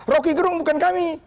rocky gerung bukan kami